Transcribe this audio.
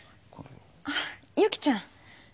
あっ由紀ちゃん。